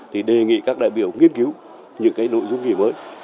thì đề nghị các đại biểu nghiên cứu những cái nội dung gì mới